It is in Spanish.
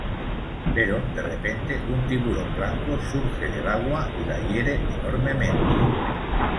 Pero, de repente, un tiburón blanco surge del agua y la hiere enormemente.